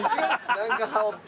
なんか羽織って！